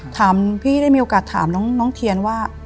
ถามพี่ได้มีโอกาสถามน้องเทียนว่า